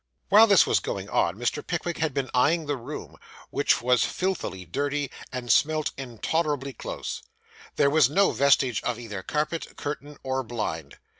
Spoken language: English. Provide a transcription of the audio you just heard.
While this was going on, Mr. Pickwick had been eyeing the room, which was filthily dirty, and smelt intolerably close. There was no vestige of either carpet, curtain, or blind.